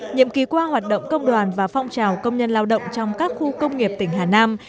nhiệm kỳ qua hoạt động công đoàn và phong trào công nhân lao động trong các khu công nghiệp tỉnh hà nam